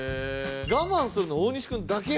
我慢するの大西くんだけ？